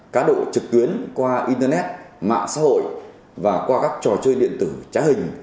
cá độ trực tuyến qua internet mạng xã hội và qua các trò chơi điện tử trá hình